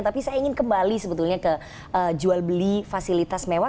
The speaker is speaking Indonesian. tapi saya ingin kembali sebetulnya ke jual beli fasilitas mewah